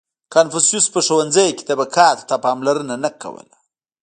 • کنفوسیوس په ښوونځي کې طبقاتو ته پاملرنه نه کوله.